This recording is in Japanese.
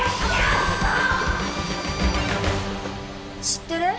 知ってる？